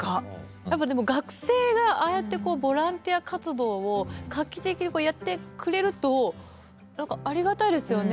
学生が、ああやってボランティア活動を画期的にやってくれるとなんか、ありがたいですよね。